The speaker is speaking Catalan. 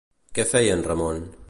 Què feia en Ramon?